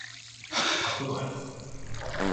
白米